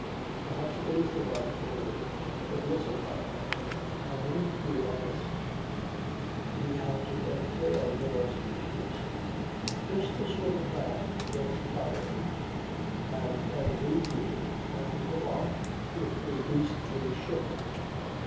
Perhaps it is the right word; but listen, papa. I mean to be honest." He began to exhale more speeches. "Just the sort of man to get tired and then leave you and go off with his beastly ship.